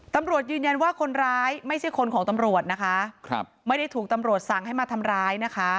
ตำรวจยืนยันว่าคนร้ายไม่ใช่คนของตำรวจนะคะครับไม่ได้ถูกตำรวจสั่งให้มาทำร้ายนะคะ